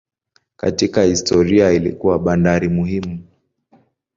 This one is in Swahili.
Katika historia ilikuwa bandari muhimu.